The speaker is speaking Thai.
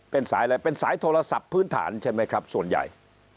เป็นสายอะไรเป็นสายโทรศัพท์พื้นฐานใช่ไหมครับส่วนใหญ่